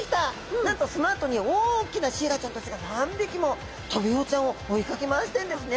なんとそのあとに大きなシイラちゃんたちが何匹もトビウオちゃんを追いかけ回してるんですね！